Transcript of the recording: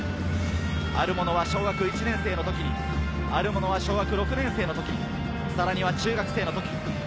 あるものは小学１年生のときに、あるものは小学６年生のときに、さらには中学生の時。